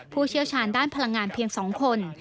ผู้เชี่ยวชาญด้านพลังงานเพียง๒คน